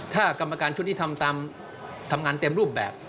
ถ้ากรรมการศุลยิธรรมตามทำงานเต็มรูปแบบ